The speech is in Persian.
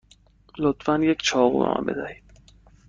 لطفا یک چاقو به من بدهید.